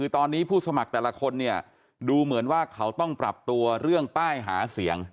ตอนนี้ผู้สมัครแต่ละคนเนี่ยดูเหมือนว่าเขาต้องปรับตัวเรื่องป้ายหาเสียง